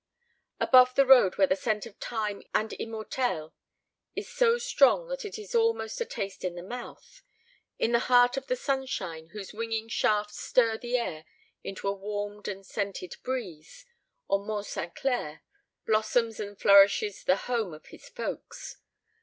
Above the road where the scent of thyme and immortelles is so strong that it is almost a taste in the mouth, in the heart of the sunshine whose winging shafts stir the air into a warmed and scented breeze, on Mont St. Clair, blossoms and flourishes the home of his folks.